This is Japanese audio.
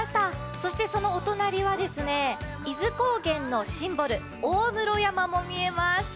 そしてそのお隣は伊豆高原のシンボル、大室山も見えます。